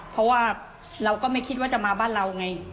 เพราะว่าเราก็ไม่คิดว่าจะมาบ้านเราไง